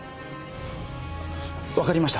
わかりました。